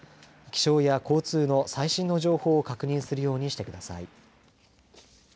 気象や交通の最新の情報を確認するようにしてください。